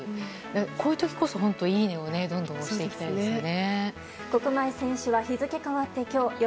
こういう時こそいいねをどんどん押していきたいですよね。